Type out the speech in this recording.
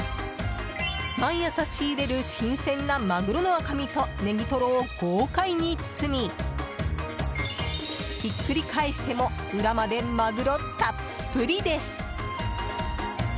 毎朝仕入れる新鮮なマグロの赤身とネギトロを豪快に包みひっくり返しても裏までマグロたっぷりです。